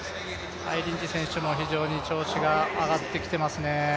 リンジー選手も非常に調子が上がってきてますね。